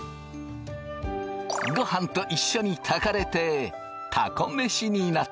ごはんと一緒に炊かれてたこ飯になった。